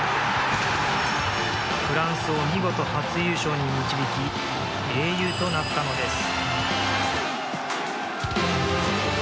フランスを見事初優勝に導き英雄となったのです。